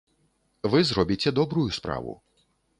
Вы зробіце добрую справу.